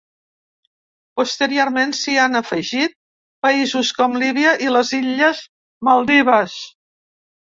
Posteriorment s’hi han afegit països com Líbia i les illes Maldives.